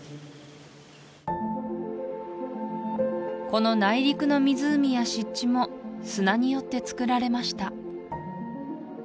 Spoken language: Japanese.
この内陸の湖や湿地も砂によってつくられました